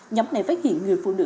nhóm này phát hiện người phụ nữ lưu